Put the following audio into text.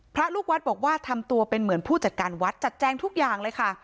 พระลูกวัดบอกว่าทำตัวเป็นเหมือนผู้จัดการวัดจัดแจงทุกอย่างเลยค่ะ